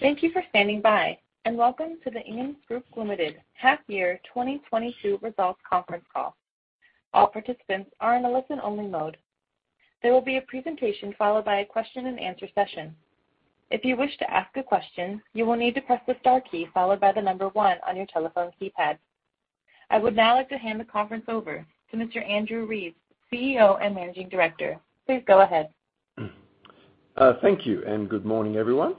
Thank you for standing by, and welcome to the Inghams Group Limited half year 2022 results conference call. All participants are in a listen only mode. There will be a presentation followed by a question and answer session. If you wish to ask a question, you will need to press the star key followed by the number one on your telephone keypad. I would now like to hand the conference over to Mr. Andrew Reeves, CEO and Managing Director. Please go ahead. Thank you, and good morning, everyone.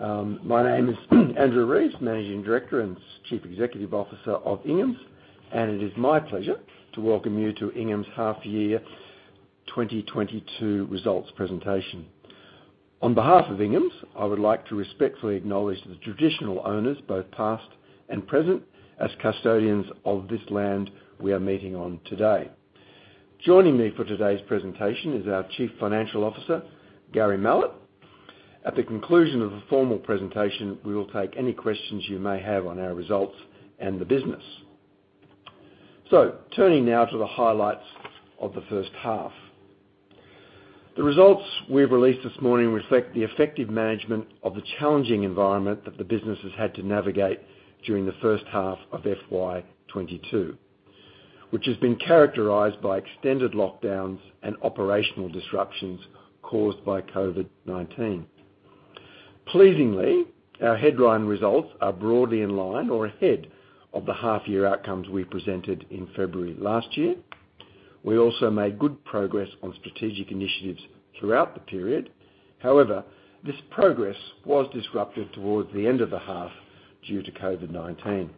My name is Andrew Reeves, Managing Director and Chief Executive Officer of Inghams, and it is my pleasure to welcome you to Inghams' half year 2022 results presentation. On behalf of Inghams, I would like to respectfully acknowledge the traditional owners, both past and present, as custodians of this land we are meeting on today. Joining me for today's presentation is our Chief Financial Officer, Gary Mallett. At the conclusion of the formal presentation, we will take any questions you may have on our results and the business. Turning now to the highlights of the first half. The results we've released this morning reflect the effective management of the challenging environment that the business has had to navigate during the first half of FY 2022, which has been characterized by extended lockdowns and operational disruptions caused by COVID-19. Pleasingly, our headline results are broadly in line or ahead of the half year outcomes we presented in February last year. We also made good progress on strategic initiatives throughout the period. However, this progress was disrupted towards the end of the half due to COVID-19.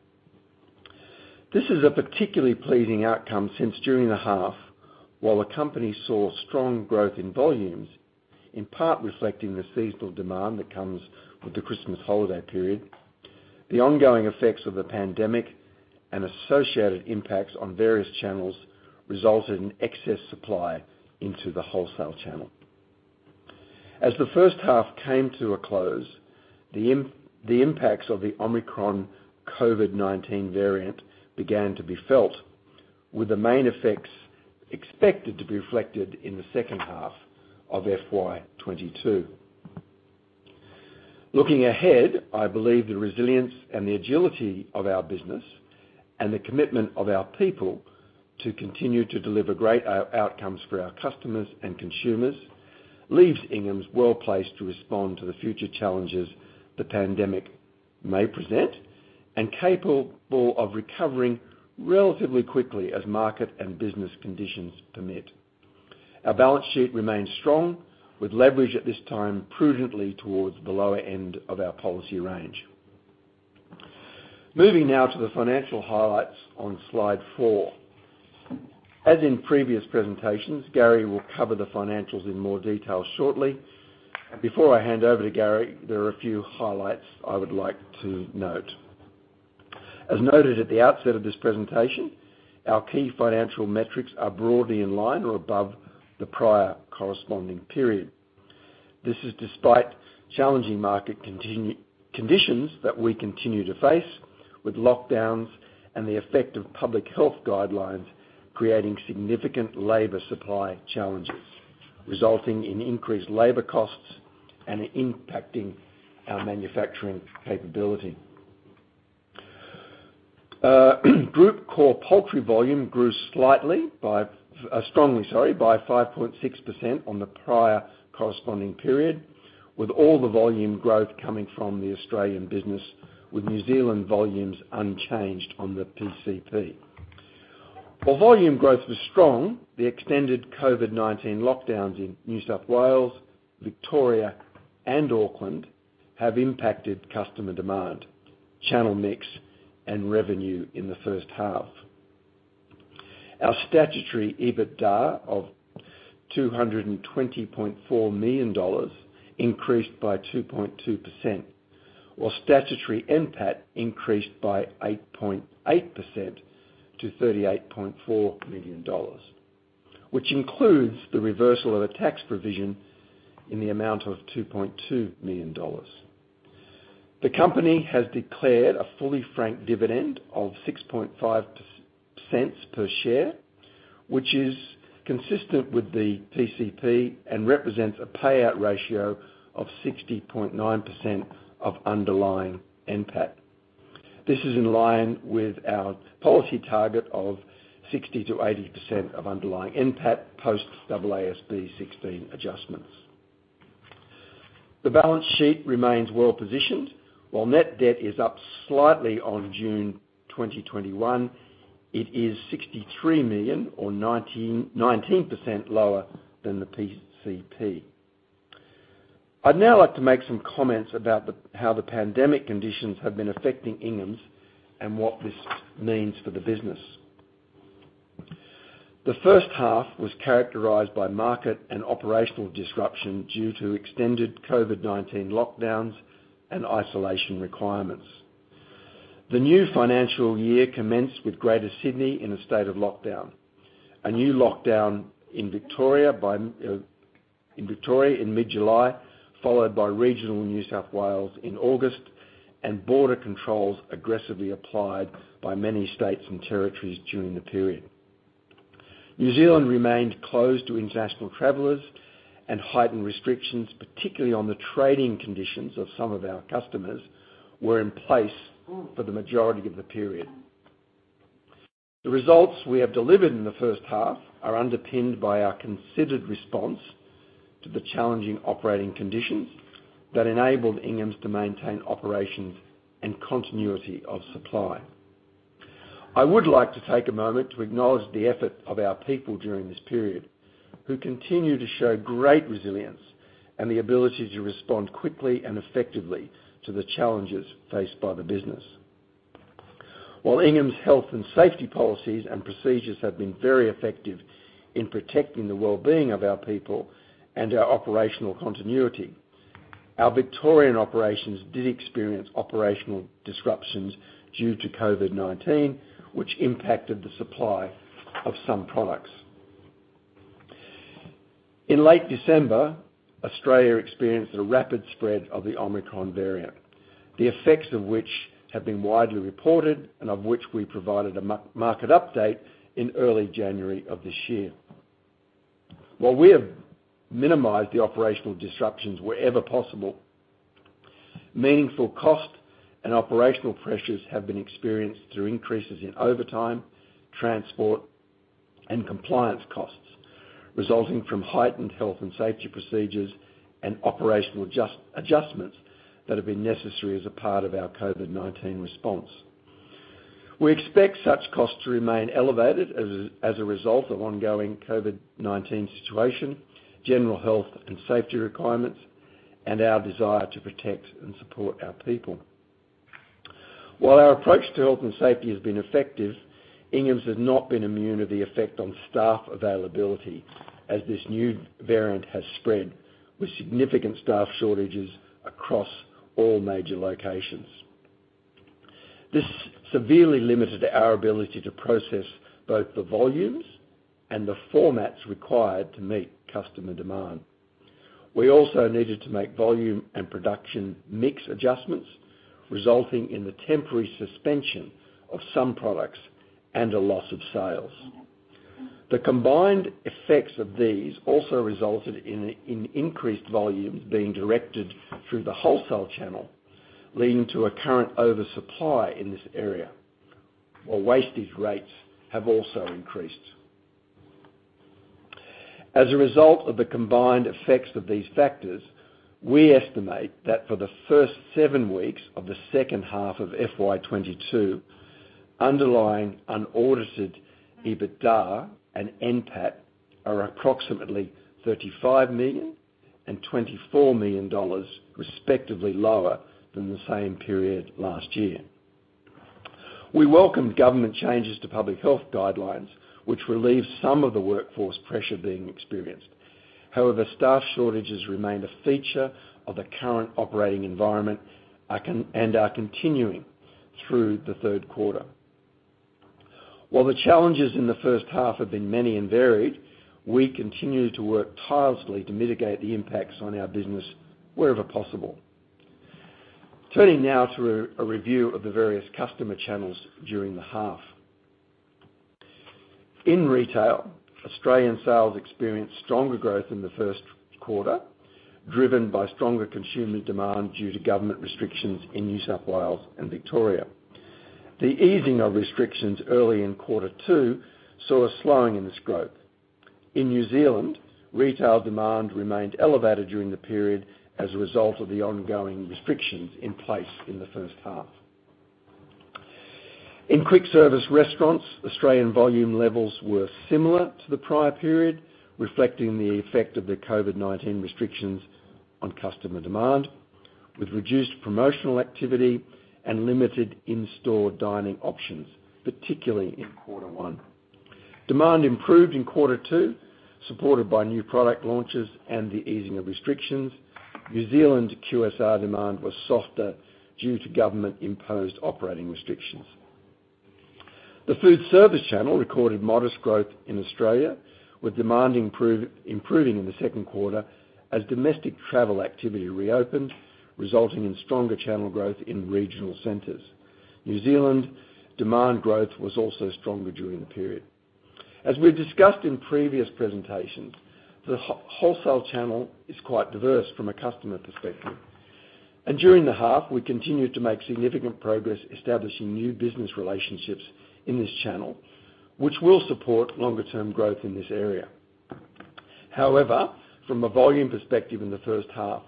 This is a particularly pleasing outcome since during the half, while the company saw strong growth in volumes, in part reflecting the seasonal demand that comes with the Christmas holiday period. The ongoing effects of the pandemic and associated impacts on various channels resulted in excess supply into the wholesale channel. As the first half came to a close, the impacts of the Omicron COVID-19 variant began to be felt, with the main effects expected to be reflected in the second half of FY 2022. Looking ahead, I believe the resilience and the agility of our business and the commitment of our people to continue to deliver great outcomes for our customers and consumers leaves Inghams well placed to respond to the future challenges the pandemic may present and capable of recovering relatively quickly as market and business conditions permit. Our balance sheet remains strong, with leverage at this time prudently towards the lower end of our policy range. Moving now to the financial highlights on slide four. As in previous presentations, Gary will cover the financials in more detail shortly. Before I hand over to Gary, there are a few highlights I would like to note. As noted at the outset of this presentation, our key financial metrics are broadly in line or above the prior corresponding period. This is despite challenging market conditions that we continue to face, with lockdowns and the effect of public health guidelines creating significant labor supply challenges, resulting in increased labor costs and impacting our manufacturing capability. Group core poultry volume grew by 5.6% on the prior corresponding period, with all the volume growth coming from the Australian business, with New Zealand volumes unchanged on the PCP. While volume growth was strong, the extended COVID-19 lockdowns in New South Wales, Victoria, and Auckland have impacted customer demand, channel mix, and revenue in the first half. Our statutory EBITDA of 220.4 million dollars increased by 2.2%, while statutory NPAT increased by 8.8% to 38.4 million dollars, which includes the reversal of a tax provision in the amount of 2.2 million dollars. The company has declared a fully franked dividend of 6.5% per share, which is consistent with the PCP and represents a payout ratio of 60.9% of underlying NPAT. This is in line with our policy target of 60%-80% of underlying NPAT post AASB 16 adjustments. The balance sheet remains well positioned. While net debt is up slightly on June 2021, it is 63 million or 19% lower than the PCP. I'd now like to make some comments about how the pandemic conditions have been affecting Inghams and what this means for the business. The first half was characterized by market and operational disruption due to extended COVID-19 lockdowns and isolation requirements. The new financial year commenced with Greater Sydney in a state of lockdown, a new lockdown in Victoria in mid July, followed by regional New South Wales in August, and border controls aggressively applied by many states and territories during the period. New Zealand remained closed to international travelers and heightened restrictions, particularly on the trading conditions of some of our customers, were in place for the majority of the period. The results we have delivered in the first half are underpinned by our considered response to the challenging operating conditions that enabled Inghams to maintain operations and continuity of supply. I would like to take a moment to acknowledge the effort of our people during this period who continue to show great resilience and the ability to respond quickly and effectively to the challenges faced by the business. While Inghams' health and safety policies and procedures have been very effective in protecting the well being of our people and our operational continuity, our Victorian operations did experience operational disruptions due to COVID-19, which impacted the supply of some products. In late December, Australia experienced a rapid spread of the Omicron variant, the effects of which have been widely reported and of which we provided a market update in early January of this year. While we have minimized the operational disruptions wherever possible, meaningful cost and operational pressures have been experienced through increases in overtime, transport, and compliance costs resulting from heightened health and safety procedures and operational adjustments that have been necessary as a part of our COVID-19 response. We expect such costs to remain elevated as a result of ongoing COVID-19 situation, general health and safety requirements, and our desire to protect and support our people. While our approach to health and safety has been effective, Inghams has not been immune to the effect on staff availability as this new variant has spread with significant staff shortages across all major locations. This severely limited our ability to process both the volumes and the formats required to meet customer demand. We also needed to make volume and production mix adjustments, resulting in the temporary suspension of some products and a loss of sales. The combined effects of these also resulted in increased volumes being directed through the wholesale channel, leading to a current oversupply in this area, while wastage rates have also increased. As a result of the combined effects of these factors, we estimate that for the first seven weeks of the second half of FY 2022, underlying unaudited EBITDA and NPAT are approximately 35 million and 24 million dollars respectively lower than the same period last year. We welcome government changes to public health guidelines, which relieve some of the workforce pressure being experienced. However, staff shortages remain a feature of the current operating environment and are continuing through the third quarter. While the challenges in the first half have been many and varied, we continue to work tirelessly to mitigate the impacts on our business wherever possible. Turning now to a review of the various customer channels during the half. In retail, Australian sales experienced stronger growth in the first quarter, driven by stronger consumer demand due to government restrictions in New South Wales and Victoria. The easing of restrictions early in quarter two saw a slowing in this growth. In New Zealand, retail demand remained elevated during the period as a result of the ongoing restrictions in place in the first half. In quick service restaurants, Australian volume levels were similar to the prior period, reflecting the effect of the COVID-19 restrictions on customer demand, with reduced promotional activity and limited in store dining options, particularly in quarter one. Demand improved in quarter two, supported by new product launches and the easing of restrictions. New Zealand QSR demand was softer due to government imposed operating restrictions. The food service channel recorded modest growth in Australia, with demand improving in the second quarter as domestic travel activity reopened, resulting in stronger channel growth in regional centers. New Zealand demand growth was also stronger during the period. As we've discussed in previous presentations, the wholesale channel is quite diverse from a customer perspective, and during the half, we continued to make significant progress establishing new business relationships in this channel, which will support longer term growth in this area. However, from a volume perspective in the first half,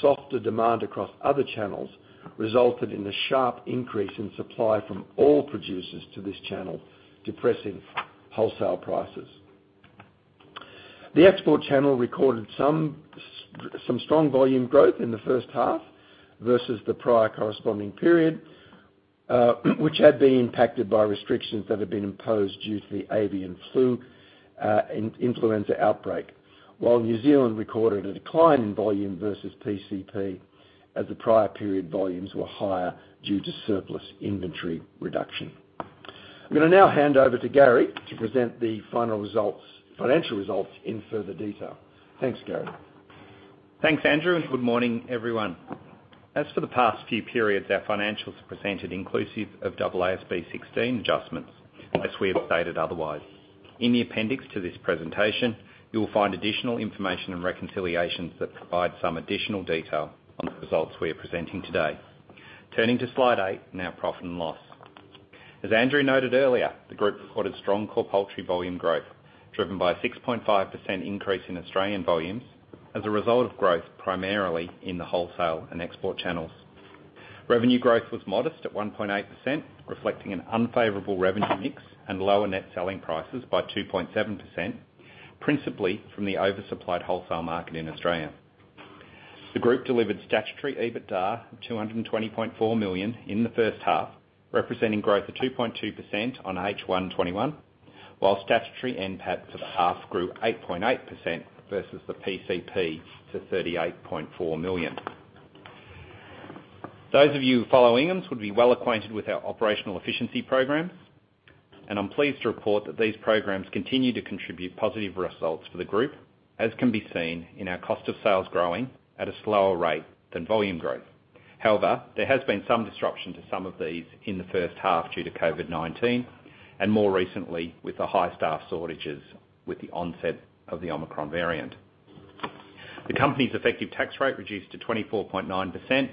softer demand across other channels resulted in a sharp increase in supply from all producers to this channel, depressing wholesale prices. The export channel recorded some strong volume growth in the first half versus the prior corresponding period, which had been impacted by restrictions that had been imposed due to the avian influenza outbreak. While New Zealand recorded a decline in volume versus PCP as the prior period volumes were higher due to surplus inventory reduction. I'm gonna now hand over to Gary to present the final results, financial results in further detail. Thanks, Gary. Thanks, Andrew, and good morning, everyone. As for the past few periods, our financials are presented inclusive of AASB 16 adjustments, unless we have stated otherwise. In the appendix to this presentation, you'll find additional information and reconciliations that provide some additional detail on the results we are presenting today. Turning to slide eight, now profit and loss. As Andrew noted earlier, the group recorded strong core poultry volume growth, driven by a 6.5% increase in Australian volumes as a result of growth, primarily in the wholesale and export channels. Revenue growth was modest at 1.8%, reflecting an unfavorable revenue mix and lower net selling prices by 2.7%, principally from the oversupplied wholesale market in Australia. The group delivered statutory EBITDA of 220.4 million in the first half, representing growth of 2.2% on H1 2021, while statutory NPAT for the half grew 8.8% versus the PCP to 38.4 million. Those of you who follow Inghams would be well acquainted with our operational efficiency programs, and I'm pleased to report that these programs continue to contribute positive results for the group, as can be seen in our cost of sales growing at a slower rate than volume growth. However, there has been some disruption to some of these in the first half, due to COVID-19, and more recently, with the high staff shortages with the onset of the Omicron variant. The company's effective tax rate reduced to 24.9%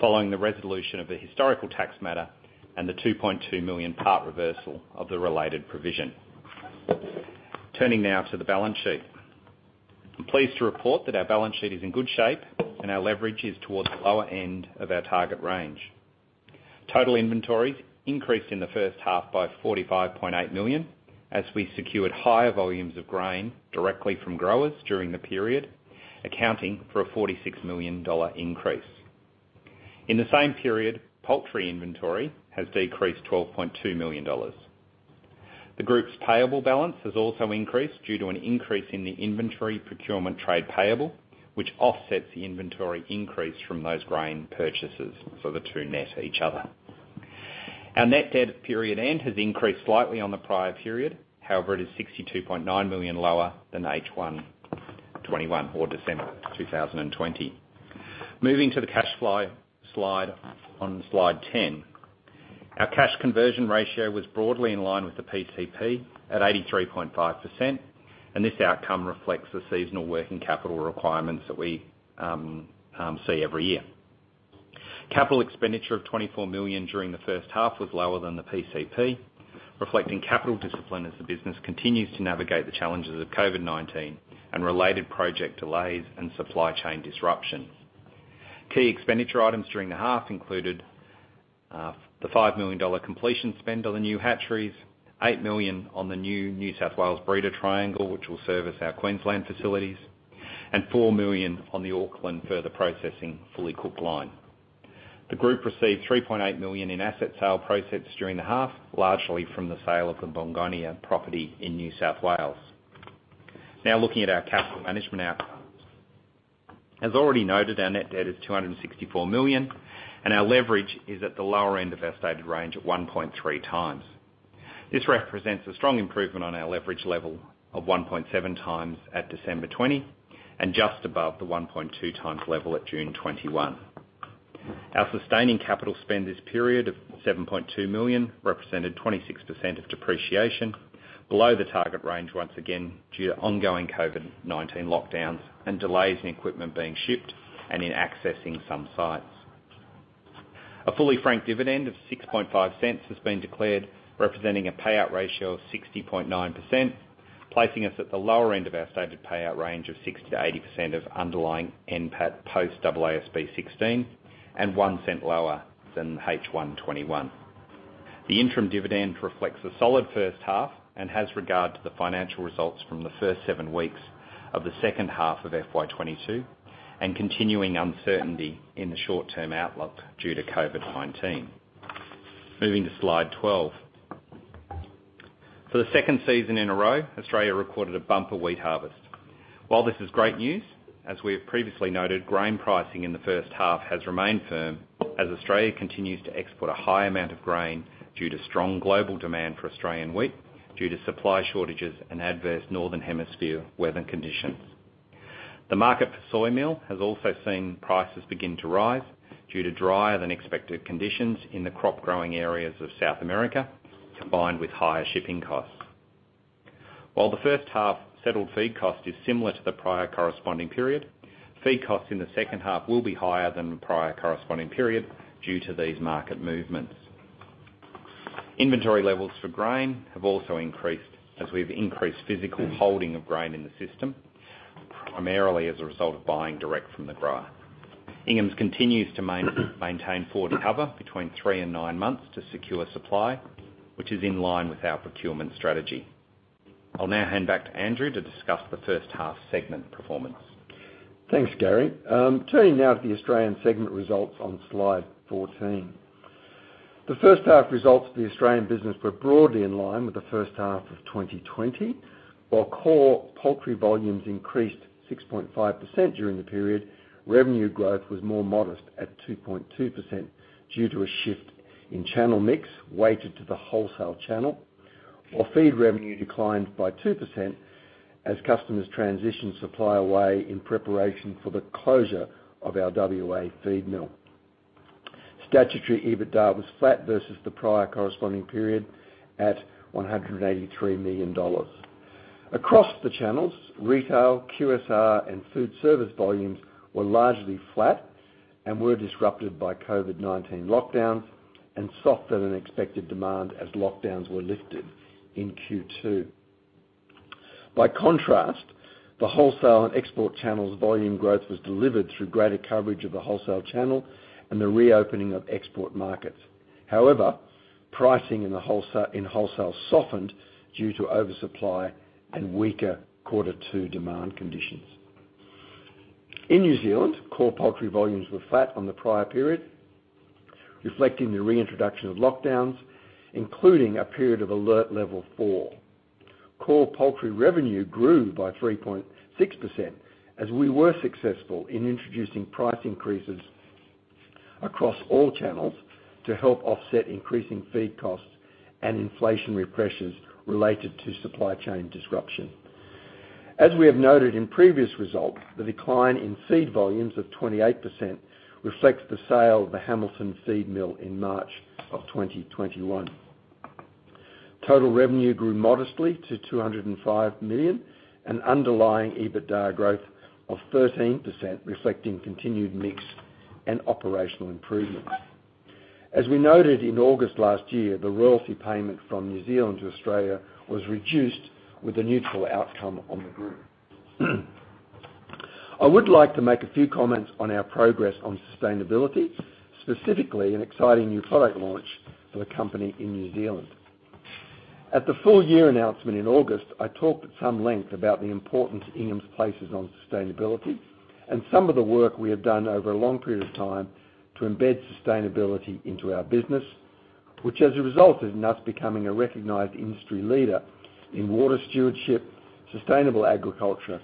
following the resolution of the historical tax matter and the partial 2.2 million reversal of the related provision. Turning now to the balance sheet. I'm pleased to report that our balance sheet is in good shape and our leverage is towards the lower end of our target range. Total inventories increased in the first half by 45.8 million as we secured higher volumes of grain directly from growers during the period, accounting for a 46 million dollar increase. In the same period, poultry inventory has decreased 12.2 million dollars. The group's payable balance has also increased due to an increase in the inventory procurement trade payable, which offsets the inventory increase from those grain purchases, so the two net each other. Our net debt at period end has increased slightly on the prior period. However, it is 62.9 million lower than H1 2021 or December 2020. Moving to the cash flow slide on slide 10. Our cash conversion ratio was broadly in line with the PCP at 83.5%, and this outcome reflects the seasonal working capital requirements that we see every year. Capital expenditure of AUD 24 million during the first half was lower than the PCP, reflecting capital discipline as the business continues to navigate the challenges of COVID-19 and related project delays and supply chain disruptions. Key expenditure items during the half included the 5 million dollar completion spend on the new hatcheries, 8 million on the new New South Wales breeder triangle, which will service our Queensland facilities, and 4 million on the Auckland further processing fully cooked line. The group received 3.8 million in asset sale proceeds during the half, largely from the sale of the Bungonia property in New South Wales. Now looking at our capital management outcomes. As already noted, our net debt is 264 million, and our leverage is at the lower end of our stated range at 1.3 times. This represents a strong improvement on our leverage level of 1.7 times at December 2020 and just above the 1.2 times level at June 2021. Our sustaining capital spend this period of 7.2 million represented 26% of depreciation below the target range once again due to ongoing COVID-19 lockdowns and delays in equipment being shipped and in accessing some sites. A fully franked dividend of 0.065 has been declared, representing a payout ratio of 60.9%, placing us at the lower end of our stated payout range of 60%-80% of underlying NPAT post AASB 16 and 0.01 lower than H1 2021. The interim dividend reflects a solid first half and has regard to the financial results from the first seven weeks of the second half of FY 2022 and continuing uncertainty in the short term outlook due to COVID-19. Moving to slide 12. For the second season in a row, Australia recorded a bumper wheat harvest. While this is great news, as we have previously noted, grain pricing in the first half has remained firm as Australia continues to export a high amount of grain due to strong global demand for Australian wheat due to supply shortages and adverse northern hemisphere weather conditions. The market for soy meal has also seen prices begin to rise due to drier than expected conditions in the crop growing areas of South America, combined with higher shipping costs. While the first half settled feed cost is similar to the prior corresponding period, feed costs in the second half will be higher than the prior corresponding period due to these market movements. Inventory levels for grain have also increased as we've increased physical holding of grain in the system, primarily as a result of buying direct from the grower. Inghams continues to maintain forward cover between three and nine months to secure supply, which is in line with our procurement strategy. I'll now hand back to Andrew to discuss the first half segment performance. Thanks, Gary. Turning now to the Australian segment results on slide 14. The first half results for the Australian business were broadly in line with the first half of 2020. While core poultry volumes increased 6.5% during the period, revenue growth was more modest at 2.2% due to a shift in channel mix, weighted to the wholesale channel, while feed revenue declined by 2% as customers transitioned supply away in preparation for the closure of our WA feed mill. Statutory EBITDA was flat versus the prior corresponding period at 183 million dollars. Across the channels, retail, QSR, and food service volumes were largely flat and were disrupted by COVID-19 lockdowns and softer than expected demand as lockdowns were lifted in Q2. By contrast, the wholesale and export channels volume growth was delivered through greater coverage of the wholesale channel and the reopening of export markets. However, pricing in wholesale softened due to oversupply and weaker quarter two demand conditions. In New Zealand, core poultry volumes were flat on the prior period, reflecting the reintroduction of lockdowns, including a period of alert level four. Core poultry revenue grew by 3.6% as we were successful in introducing price increases across all channels to help offset increasing feed costs and inflationary pressures related to supply chain disruption. As we have noted in previous results, the decline in feed volumes of 28% reflects the sale of the Hamilton feed mill in March 2021. Total revenue grew modestly to 205 million, an underlying EBITDA growth of 13%, reflecting continued mix and operational improvements. As we noted in August last year, the royalty payment from New Zealand to Australia was reduced with a neutral outcome on the group. I would like to make a few comments on our progress on sustainability, specifically an exciting new product launch for the company in New Zealand. At the full year announcement in August, I talked at some length about the importance Inghams places on sustainability and some of the work we have done over a long period of time to embed sustainability into our business, which as a result has led us becoming a recognized industry leader in water stewardship, sustainable agriculture,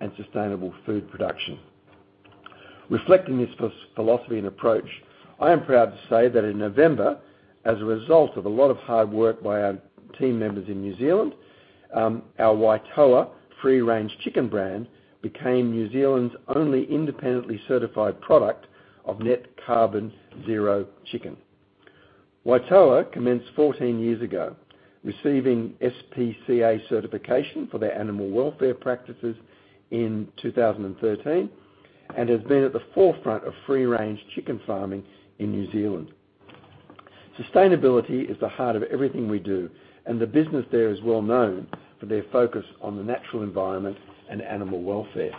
and sustainable food production. Reflecting this philosophy and approach, I am proud to say that in November, as a result of a lot of hard work by our team members in New Zealand, our Waitoa free range chicken brand became New Zealand's only independently certified product of net carbon zero chicken. Waitoa commenced 14 years ago, receiving SPCA certification for their animal welfare practices in 2013, and has been at the forefront of free range chicken farming in New Zealand. Sustainability is the heart of everything we do, and the business there is well known for their focus on the natural environment and animal welfare.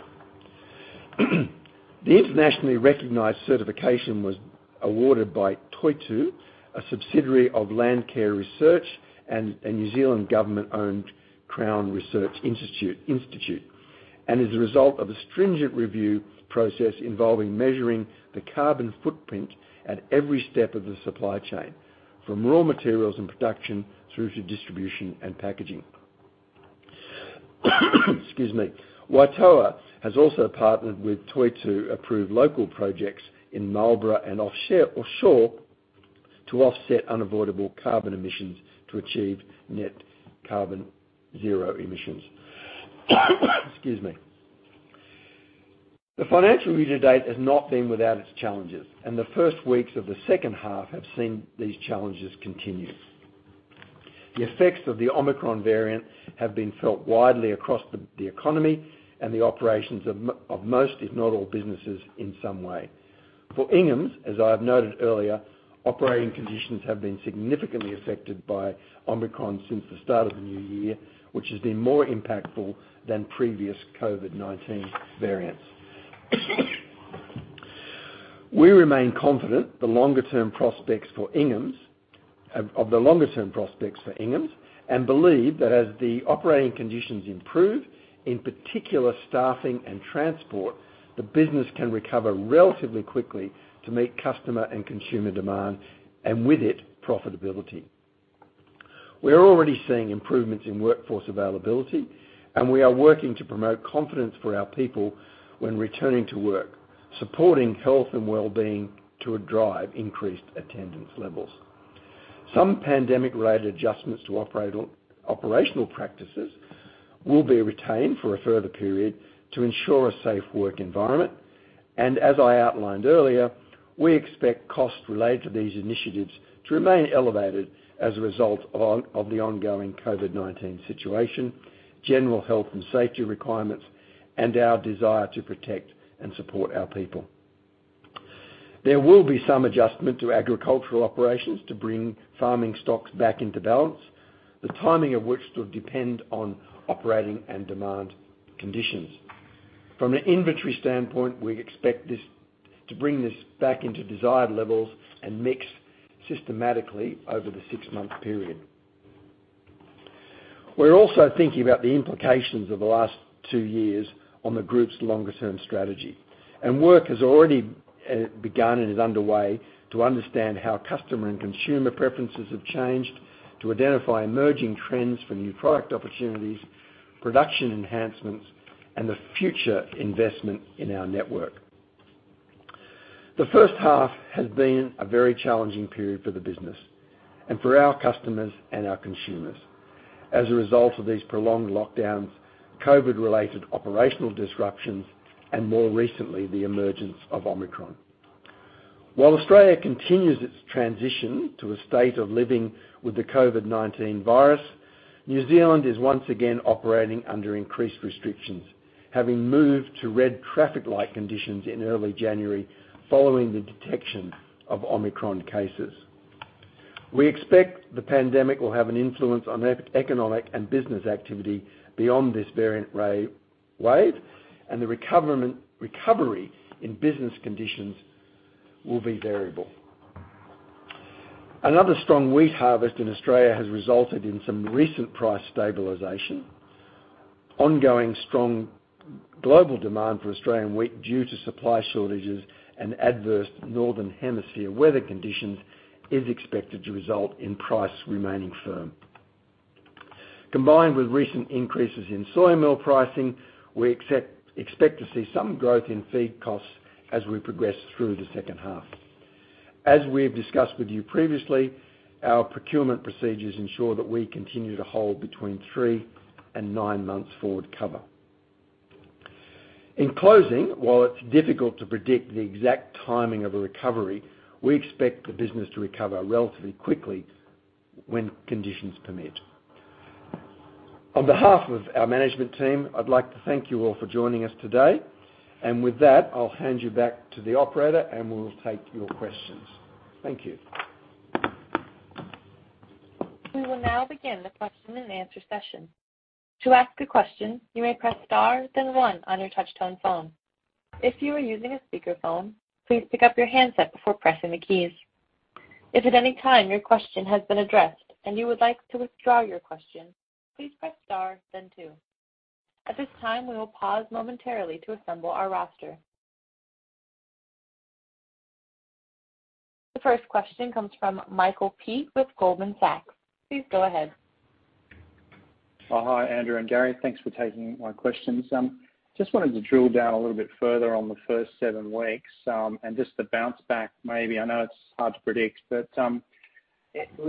The internationally recognized certification was awarded by Toitū, a subsidiary of Landcare Research and a New Zealand government owned Crown Research Institute, and is a result of a stringent review process involving measuring the carbon footprint at every step of the supply chain, from raw materials and production through to distribution and packaging. Excuse me. Waitoa has also partnered with Toitū-approved local projects in Marlborough and offshore to offset unavoidable carbon emissions to achieve net carbon zero emissions. Excuse me. The financial year to date has not been without its challenges, and the first weeks of the second half have seen these challenges continue. The effects of the Omicron variant have been felt widely across the economy and the operations of most, if not all, businesses in some way. For Inghams, as I have noted earlier, operating conditions have been significantly affected by Omicron since the start of the new year, which has been more impactful than previous COVID-19 variants. We remain confident of the longer term prospects for Inghams, and believe that as the operating conditions improve, in particular staffing and transport, the business can recover relatively quickly to meet customer and consumer demand, and with it, profitability. We are already seeing improvements in workforce availability, and we are working to promote confidence for our people when returning to work, supporting health and wellbeing to drive increased attendance levels. Some pandemic-related adjustments to operational practices will be retained for a further period to ensure a safe work environment. As I outlined earlier, we expect costs related to these initiatives to remain elevated as a result of the ongoing COVID-19 situation, general health and safety requirements, and our desire to protect and support our people. There will be some adjustment to agricultural operations to bring farming stocks back into balance, the timing of which will depend on operating and demand conditions. From an inventory standpoint, we expect this to bring this back into desired levels and mix systematically over the six month period. We're also thinking about the implications of the last two years on the group's longer-term strategy, and work has already begun and is underway to understand how customer and consumer preferences have changed, to identify emerging trends for new product opportunities, production enhancements and the future investment in our network. The first half has been a very challenging period for the business and for our customers and our consumers as a result of these prolonged lockdowns, COVID-related operational disruptions, and more recently, the emergence of Omicron. While Australia continues its transition to a state of living with the COVID-19 virus, New Zealand is once again operating under increased restrictions, having moved to red traffic light conditions in early January following the detection of Omicron cases. We expect the pandemic will have an influence on economic and business activity beyond this variant wave, and the recovery in business conditions will be variable. Another strong wheat harvest in Australia has resulted in some recent price stabilization. Ongoing strong global demand for Australian wheat due to supply shortages and adverse Northern Hemisphere weather conditions is expected to result in price remaining firm. Combined with recent increases in soy meal pricing, we expect to see some growth in feed costs as we progress through the second half. As we have discussed with you previously, our procurement procedures ensure that we continue to hold between three and nine months forward cover. In closing, while it's difficult to predict the exact timing of a recovery, we expect the business to recover relatively quickly when conditions permit. On behalf of our management team, I'd like to thank you all for joining us today. With that, I'll hand you back to the operator, and we'll take your questions. Thank you. We will now begin the question and answer session. To ask a question, you may press star then one on your touch tone phone. If you are using a speakerphone, please pick up your handset before pressing the keys. If at any time your question has been addressed and you would like to withdraw your question, please press star then two. At this time, we will pause momentarily to assemble our roster. The first question comes from Michael Peet with Goldman Sachs. Please go ahead. Oh, hi, Andrew and Gary. Thanks for taking my questions. Just wanted to drill down a little bit further on the first seven weeks, and just the bounce back maybe. I know it's hard to predict, but,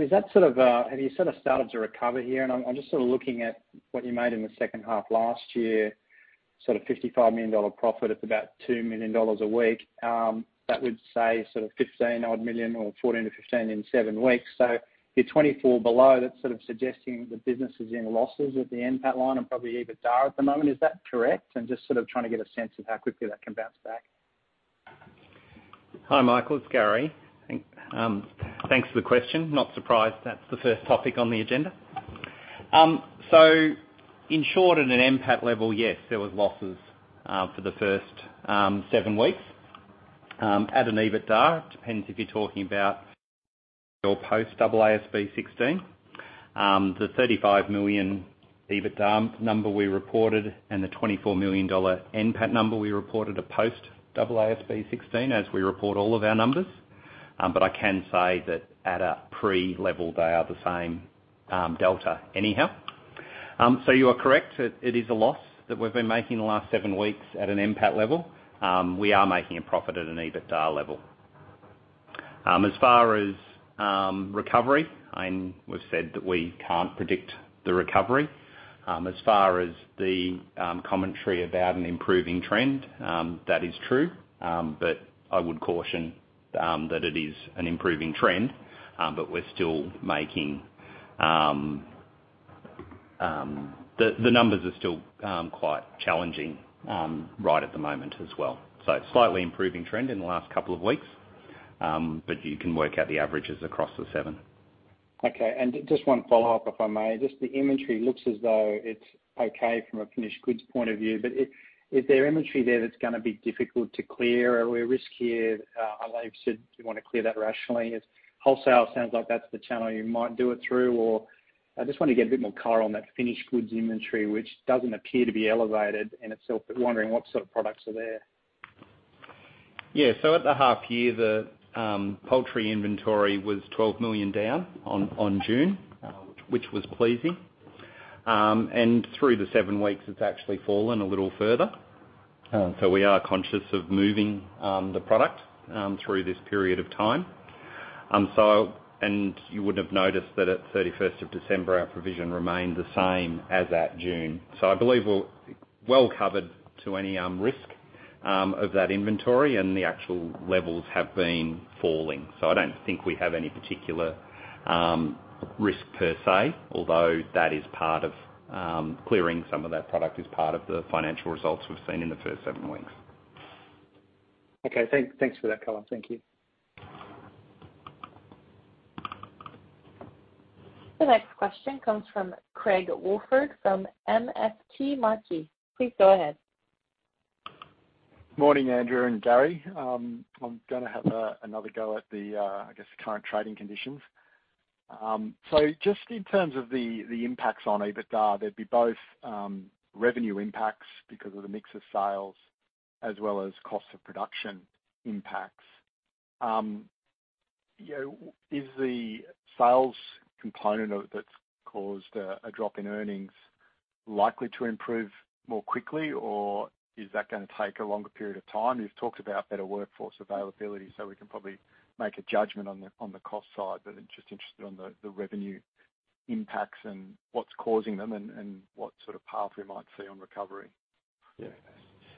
is that sort of, have you sort of started to recover here? I'm just sort of looking at what you made in the second half last year, sort of 55 million dollar profit at about 2 million dollars a week. That would say sort of 15 odd million or 14-15 in seven weeks. So you're 24 below, that's sort of suggesting the business is in losses at the NPAT line and probably EBITDA at the moment. Is that correct? Just sort of trying to get a sense of how quickly that can bounce back. Hi, Michael. It's Gary. Thanks for the question. Not surprised that's the first topic on the agenda. So in short, at an NPAT level, yes, there was losses for the first seven weeks. At an EBITDA, it depends if you're talking about pre or post AASB 16. The 35 million EBITDA number we reported and the AUD 24 million NPAT number we reported are post AASB 16, as we report all of our numbers. But I can say that at a pre-level, they are the same delta anyhow. So you are correct. It is a loss that we've been making the last seven weeks at an NPAT level. We are making a profit at an EBITDA level. As far as recovery, I would say that we can't predict the recovery. As far as the commentary about an improving trend, that is true. I would caution that it is an improving trend, but the numbers are still quite challenging right at the moment as well. Slightly improving trend in the last couple of weeks, but you can work out the averages across the seven. Okay. Just one follow-up, if I may. Just the inventory looks as though it's okay from a finished goods point of view, but is there inventory there that's gonna be difficult to clear? Are we at risk here? I know you've said you wanna clear that rationally. If wholesale, sounds like that's the channel you might do it through, or I just want to get a bit more color on that finished goods inventory, which doesn't appear to be elevated in itself, but wondering what sort of products are there. Yeah. At the half year, the poultry inventory was 12 million down on June, which was pleasing. Through the seven weeks, it's actually fallen a little further. We are conscious of moving the product through this period of time. You would have noticed that at thirty first of December, our provision remained the same as at June. I believe we're well covered to any risk of that inventory, and the actual levels have been falling. I don't think we have any particular risk per se, although that is part of clearing some of that product is part of the financial results we've seen in the first seven weeks. Okay. Thanks for that color. Thank you. The next question comes from Craig Woolford from MST Marquee. Please go ahead. Morning, Andrew and Gary. I'm gonna have another go at the, I guess, current trading conditions. Just in terms of the impacts on EBITDA, there'd be both revenue impacts because of the mix of sales as well as cost of production impacts. You know, is the sales component of that's caused a drop in earnings likely to improve more quickly, or is that gonna take a longer period of time? You've talked about better workforce availability, so we can probably make a judgment on the cost side, but I'm just interested on the revenue impacts and what's causing them and what sort of path we might see on recovery. Yeah.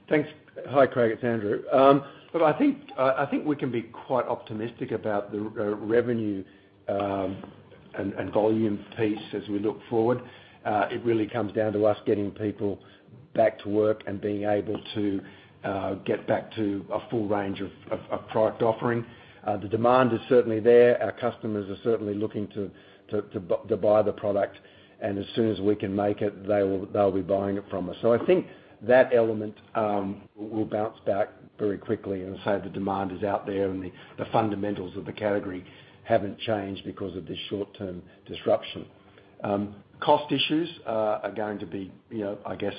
Thanks. Hi, Craig. It's Andrew. I think we can be quite optimistic about the revenue and volume piece as we look forward. It really comes down to us getting people back to work and being able to get back to a full range of product offering. The demand is certainly there. Our customers are certainly looking to buy the product, and as soon as we can make it, they'll be buying it from us. I think that element will bounce back very quickly, and as I say, the demand is out there, and the fundamentals of the category haven't changed because of this short term disruption. Cost issues are going to be, you know, I guess,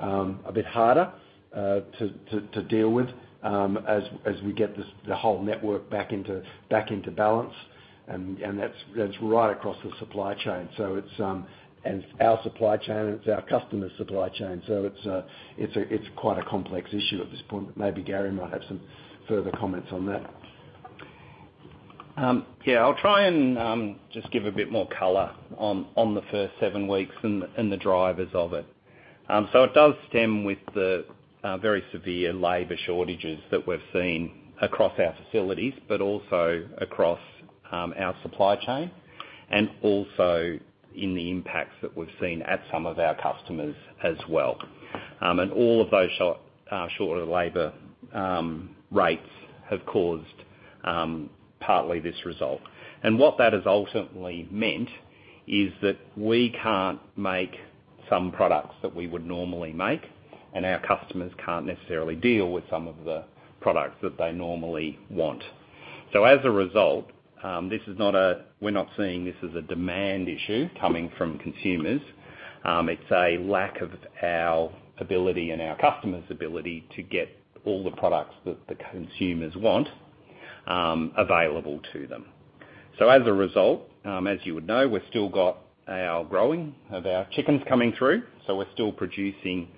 a bit harder to deal with as we get this, the whole network back into balance and that's right across the supply chain. It's our supply chain, it's our customers' supply chain, so it's quite a complex issue at this point. Maybe Gary might have some further comments on that. Yeah, I'll try and just give a bit more color on the first seven weeks and the drivers of it. It does stem with the very severe labor shortages that we've seen across our facilities, but also across our supply chain and also in the impacts that we've seen at some of our customers as well. All of those shorter labor rates have caused partly this result. What that has ultimately meant is that we can't make some products that we would normally make, and our customers can't necessarily deal with some of the products that they normally want. As a result, this is not a demand issue coming from consumers. It's a lack of our ability and our customers' ability to get all the products that the consumers want available to them. As a result, as you would know, we've still got our growing of our chickens coming through, so we're still producing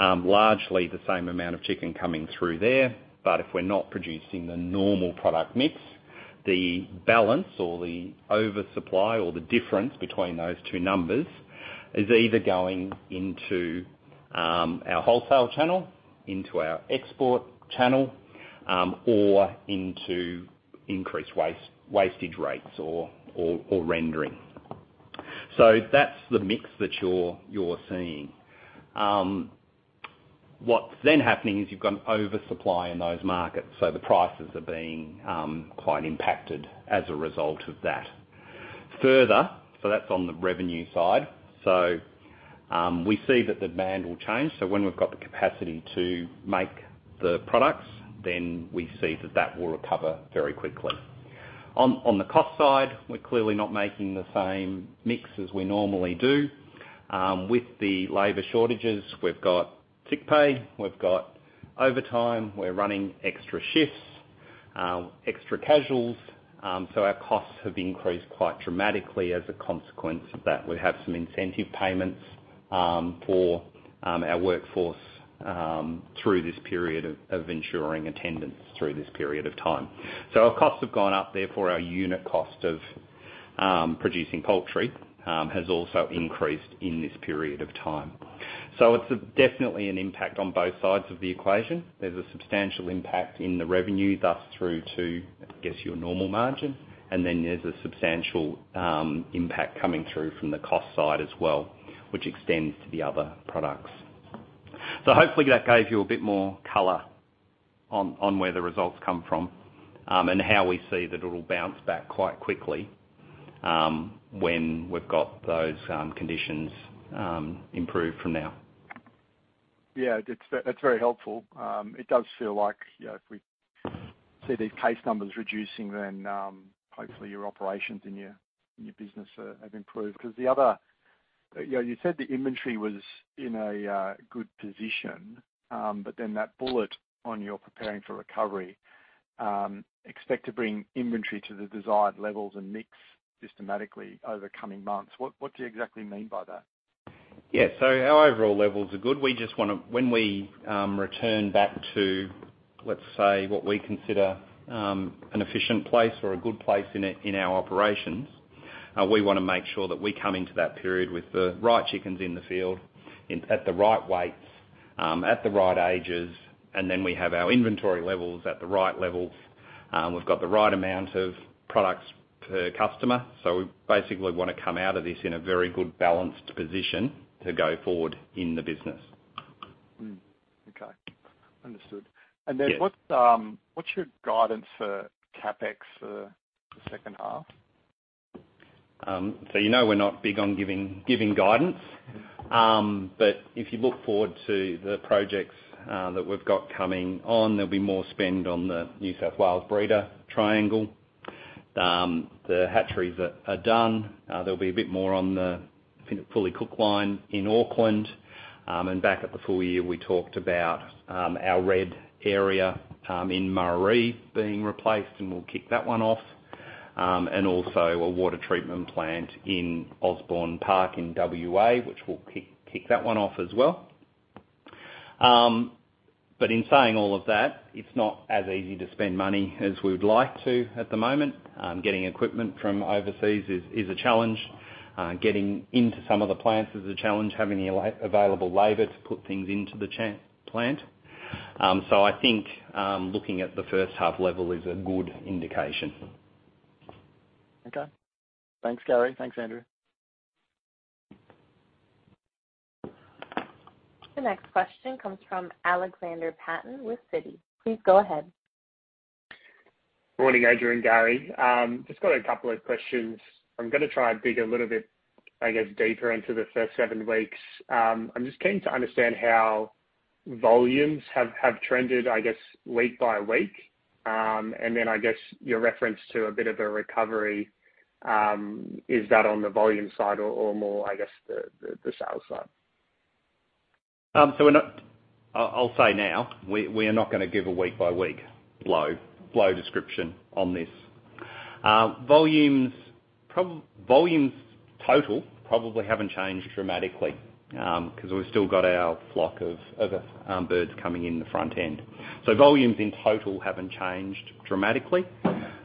largely the same amount of chicken coming through there. If we're not producing the normal product mix, the balance or the oversupply or the difference between those two numbers is either going into our wholesale channel, into our export channel, or into increased wastage rates or rendering. That's the mix that you're seeing. What's then happening is you've got an oversupply in those markets, so the prices are being quite impacted as a result of that. Further, that's on the revenue side. We see that demand will change, so when we've got the capacity to make the products, then we see that will recover very quickly. On the cost side, we're clearly not making the same mix as we normally do. With the labor shortages, we've got sick pay, we've got overtime, we're running extra shifts, extra casuals, so our costs have increased quite dramatically as a consequence of that. We have some incentive payments for our workforce through this period of ensuring attendance through this period of time. Our costs have gone up, therefore our unit cost of producing poultry has also increased in this period of time. It's definitely an impact on both sides of the equation. There's a substantial impact in the revenue, thus through to, I guess, your normal margin, and then there's a substantial impact coming through from the cost side as well, which extends to the other products. Hopefully that gave you a bit more color on where the results come from, and how we see that it'll bounce back quite quickly, when we've got those conditions improved from now. Yeah, that's very helpful. It does feel like, you know, if we see these case numbers reducing then, hopefully your operations and your business have improved. You know, you said the inventory was in a good position, but then that bullet on you're preparing for recovery, expect to bring inventory to the desired levels and mix systematically over coming months. What do you exactly mean by that? Our overall levels are good. When we return back to, let's say, what we consider an efficient place or a good place in our operations, we wanna make sure that we come into that period with the right chickens in the field at the right weights, at the right ages, and then we have our inventory levels at the right levels. We've got the right amount of products per customer, so we basically wanna come out of this in a very good, balanced position to go forward in the business. Okay. Understood. Yeah. What's your guidance for CapEx for the second half? You know we're not big on giving guidance. If you look forward to the projects that we've got coming on, there'll be more spend on the New South Wales breeder triangle. The hatcheries are done. There'll be a bit more on the—I think a fully cooked line in Auckland, and back at the full year, we talked about our red area in Murarrie being replaced, and we'll kick that one off, and also a water treatment plant in Osborne Park in WA, which we'll kick that one off as well. In saying all of that, it's not as easy to spend money as we would like to at the moment. Getting equipment from overseas is a challenge. Getting into some of the plants is a challenge, having the available labor to put things into the plant. I think looking at the first half level is a good indication. Okay. Thanks, Gary. Thanks, Andrew. The next question comes from Alexander Patten with Citi. Please go ahead. Morning, Andrew and Gary. Just got a couple of questions. I'm gonna try and dig a little bit, I guess, deeper into the first seven weeks. I'm just keen to understand how volumes have trended, I guess, week by week, and then, I guess, your reference to a bit of a recovery, is that on the volume side or more, I guess, the sales side? I'll say now we are not gonna give a week by week flow description on this. Volumes total probably haven't changed dramatically, 'cause we've still got our flock of birds coming in the front end. Volumes in total haven't changed dramatically.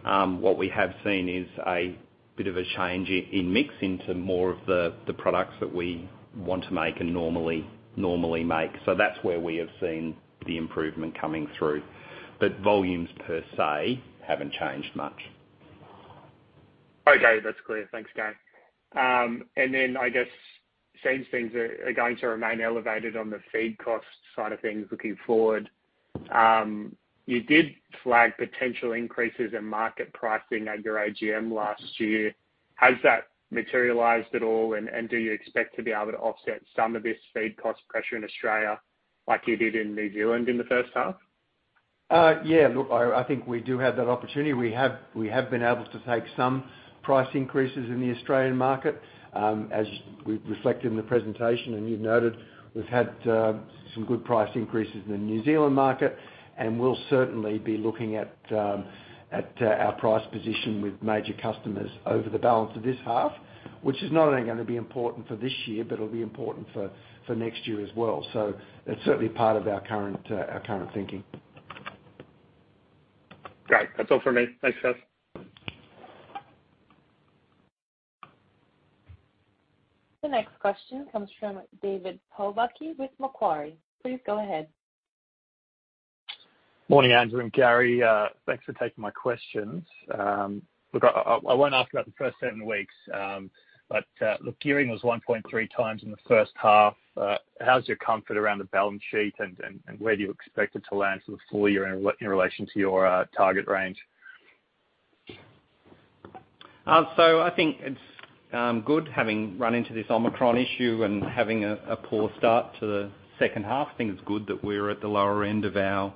What we have seen is a bit of a change in mix into more of the products that we want to make and normally make. That's where we have seen the improvement coming through. Volumes per se haven't changed much. Okay, that's clear. Thanks, Gary. I guess, since things are going to remain elevated on the feed cost side of things looking forward, you did flag potential increases in market pricing at your AGM last year. Has that materialized at all? Do you expect to be able to offset some of this feed cost pressure in Australia like you did in New Zealand in the first half? Yeah. Look, I think we do have that opportunity. We have been able to take some price increases in the Australian market, as we've reflected in the presentation, and you've noted, we've had some good price increases in the New Zealand market, and we'll certainly be looking at our price position with major customers over the balance of this half, which is not only gonna be important for this year, but it'll be important for next year as well. That's certainly part of our current thinking. Great. That's all for me. Thanks, guys. The next question comes from David Fabris with Macquarie. Please go ahead. Morning, Andrew and Gary. Thanks for taking my questions. Look, I won't ask about the first seven weeks, but look, gearing was 1.3 times in the first half. How's your comfort around the balance sheet and where do you expect it to land for the full year in relation to your target range? I think it's good having run into this Omicron issue and having a poor start to the second half. I think it's good that we're at the lower end of our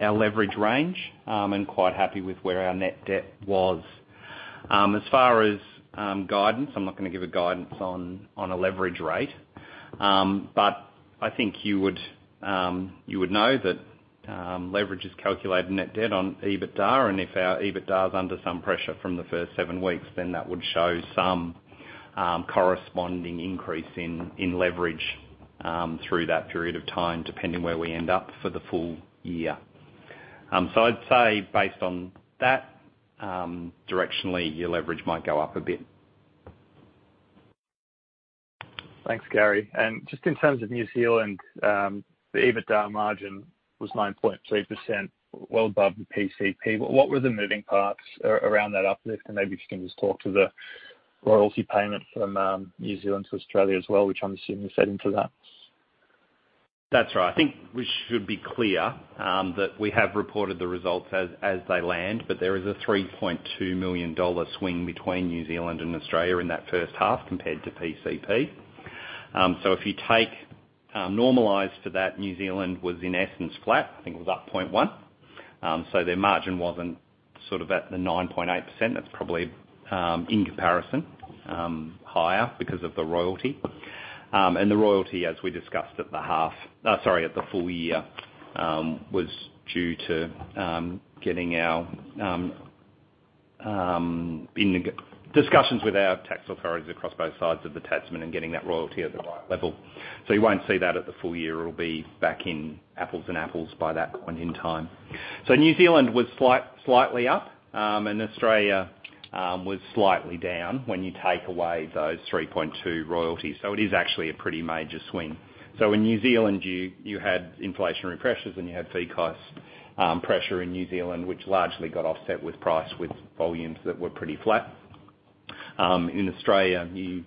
leverage range and quite happy with where our net debt was. As far as guidance, I'm not gonna give a guidance on a leverage rate. I think you would know that leverage is calculated net debt on EBITDA, and if our EBITDA is under some pressure from the first seven weeks, then that would show some corresponding increase in leverage through that period of time, depending where we end up for the full year. I'd say based on that, directionally your leverage might go up a bit. Thanks, Gary. Just in terms of New Zealand, the EBITDA margin was 9.3%, well above the PCP. What were the moving parts around that uplift? Maybe if you can just talk to the royalty payment from New Zealand to Australia as well, which I'm assuming is fed into that. That's right. I think we should be clear that we have reported the results as they land, but there is a 3.2 million dollar swing between New Zealand and Australia in that first half compared to PCP. So if you take normalized for that, New Zealand was in essence flat. I think it was up 0.1. So their margin wasn't sort of at the 9.8%. That's probably in comparison higher because of the royalty. And the royalty, as we discussed at the half, sorry, at the full year, was due to getting in the discussions with our tax authorities across both sides of the Tasman and getting that royalty at the right level. You won't see that at the full year. It'll be back in apples and apples by that point in time. New Zealand was slightly up, and Australia was slightly down when you take away those 3.2 royalties. It is actually a pretty major swing. In New Zealand, you had inflationary pressures and you had feed cost pressure in New Zealand, which largely got offset with price, with volumes that were pretty flat. In Australia, you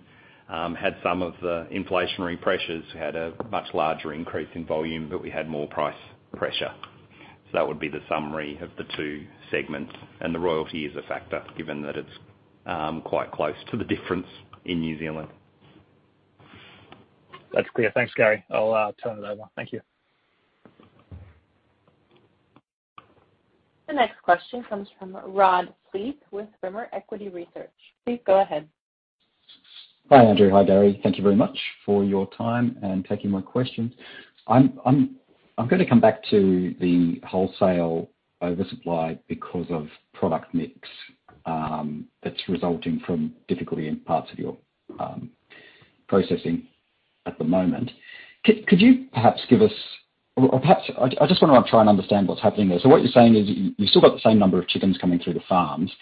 had some of the inflationary pressures, had a much larger increase in volume, but we had more price pressure. That would be the summary of the two segments. The royalty is a factor given that it's quite close to the difference in New Zealand. That's clear. Thanks, Gary. I'll turn it over. Thank you. The next question comes from Rod Fleet with Zimmer Equity Research. Please go ahead. Hi, Andrew. Hi, Gary. Thank you very much for your time and taking my questions. I'm gonna come back to the wholesale oversupply because of product mix that's resulting from difficulty in parts of your processing at the moment. Could you perhaps give us. Or perhaps I just wanna try and understand what's happening there. What you're saying is you still got the same number of chickens coming through the farms,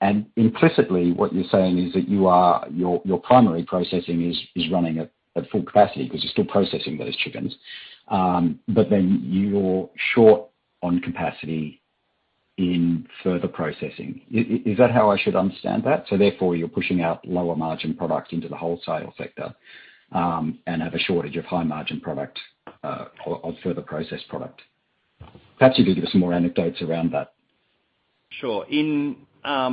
and implicitly, what you're saying is your primary processing is running at full capacity 'cause you're still processing those chickens. But then you're short on capacity in further processing. Is that how I should understand that? Therefore, you're pushing out lower margin products into the wholesale sector, and have a shortage of high margin product, or further processed product. Perhaps you could give us some more anecdotes around that. Sure. I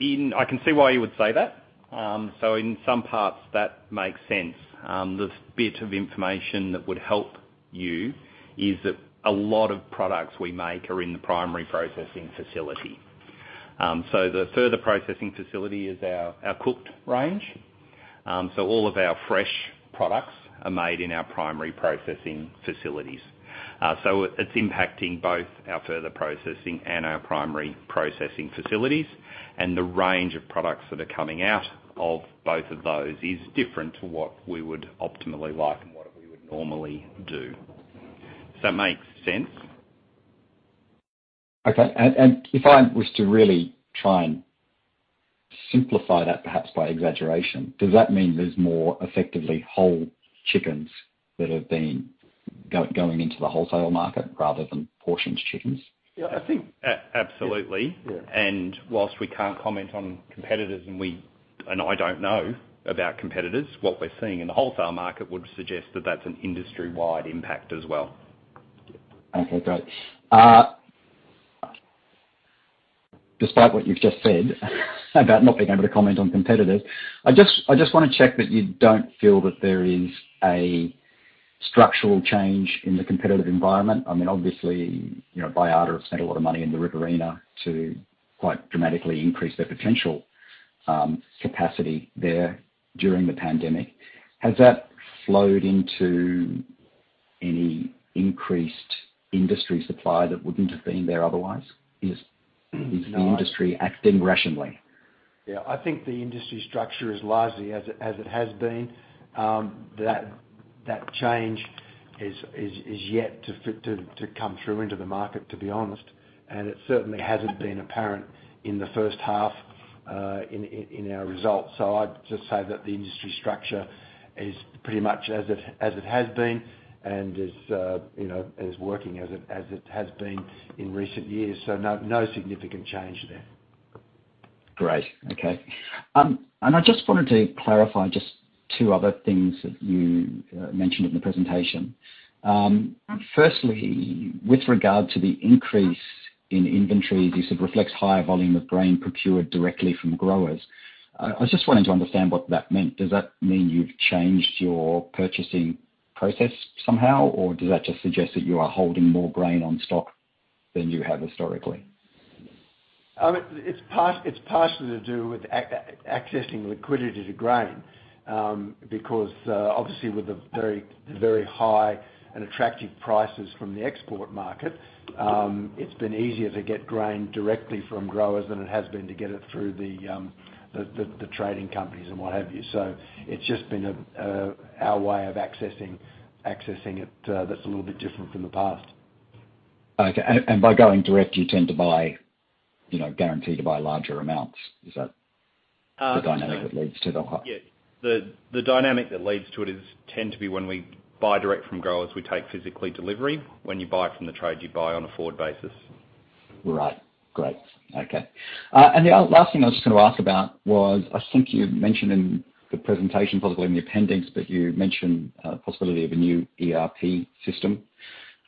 can see why you would say that. In some parts, that makes sense. The bit of information that would help you is that a lot of products we make are in the primary processing facility. The further processing facility is our cooked range. All of our fresh products are made in our primary processing facilities. It's impacting both our further processing and our primary processing facilities. The range of products that are coming out of both of those is different to what we would optimally like and what we would normally do. Does that makes sense? If I was to really try and simplify that, perhaps by exaggeration, does that mean there's more effectively whole chickens that have been going into the wholesale market rather than portioned chickens? Yeah, I think, absolutely. Yeah. While we can't comment on competitors, I don't know about competitors, what we're seeing in the wholesale market would suggest that that's an industry wide impact as well. Okay, great. Despite what you've just said about not being able to comment on competitors, I just wanna check that you don't feel that there is a structural change in the competitive environment. I mean, obviously, you know, Baiada have spent a lot of money in the Riverina to quite dramatically increase their potential capacity there during the pandemic. Has that flowed into any increased industry supply that wouldn't have been there otherwise? No. Is the industry acting rationally? Yeah. I think the industry structure is largely as it has been. That change is yet to come through into the market, to be honest, and it certainly hasn't been apparent in the first half in our results. I'd just say that the industry structure is pretty much as it has been and is, you know, working as it has been in recent years. No significant change there. Great. Okay. I just wanted to clarify just two other things that you mentioned in the presentation. Firstly, with regard to the increase in inventory, you said reflects higher volume of grain procured directly from growers. I just wanted to understand what that meant. Does that mean you've changed your purchasing process somehow, or does that just suggest that you are holding more grain in stock than you have historically? It's partially to do with accessing liquidity to grain, because obviously with the very, very high and attractive prices from the export market. Mm-hmm. It's been easier to get grain directly from growers than it has been to get it through the trading companies and what have you. It's just been our way of accessing it, that's a little bit different from the past. Okay. By going direct, you tend to buy, you know, guaranteed to buy larger amounts. Is that? Uh. The dynamic that leads to the high Yeah. The dynamic that leads to it, we tend to be when we buy direct from growers, we take physical delivery. When you buy from the trade, you buy on a forward basis. Right. Great. Okay. The last thing I was just gonna ask about was, I think you mentioned in the presentation, possibly in the appendix, but you mentioned possibility of a new ERP system.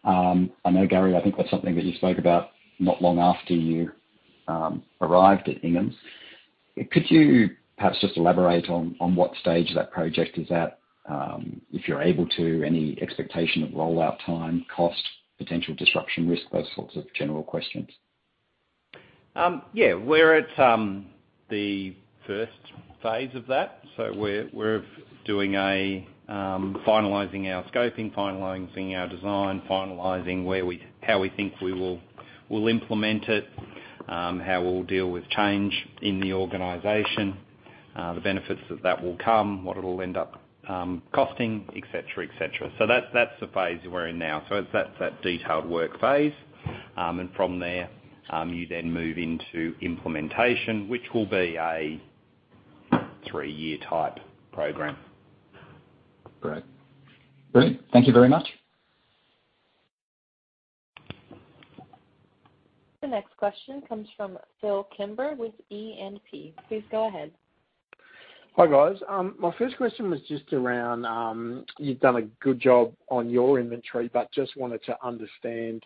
I know, Gary, I think that's something that you spoke about not long after you arrived at Inghams. Could you perhaps just elaborate on what stage that project is at? If you're able to, any expectation of rollout time, cost, potential disruption risk, those sorts of general questions. Yeah. We're at the first phase of that. We're finalizing our scoping, finalizing our design, finalizing how we think we'll implement it, how we'll deal with change in the organization, the benefits that will come, what it'll end up costing, et cetera. That's the phase we're in now. It's that detailed work phase. From there, you then move into implementation, which will be a three year type program. Great. Brilliant. Thank you very much. The next question comes from Phil Kimber with E&P. Please go ahead. Hi, guys. My first question was just around you've done a good job on your inventory, but just wanted to understand